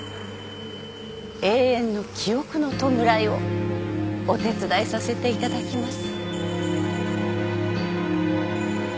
永遠の記憶の弔いをお手伝いさせていただきます。